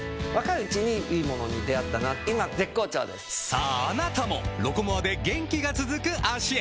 さぁあなたも「ロコモア」で元気が続く脚へ！